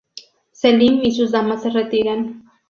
Selim y sus damas se retiran.